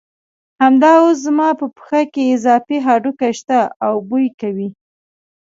همدا اوس زما په پښه کې اضافي هډوکي شته او بوی کوي.